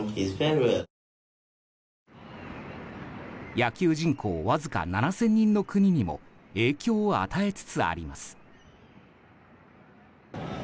野球人口わずか７０００人の国にも影響を与えつつあります。